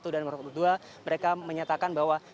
dan nomor dua mereka menyatakan bahwa